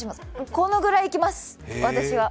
このくらいいきます、私は。